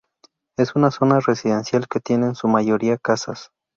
Es una zona residencial que tiene en su mayoría casas.